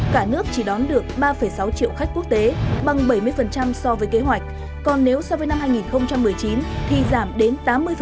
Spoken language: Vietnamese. cả nước chỉ đón được ba sáu triệu khách quốc tế bằng bảy mươi so với kế hoạch còn nếu so với năm hai nghìn một mươi chín thì giảm đến tám mươi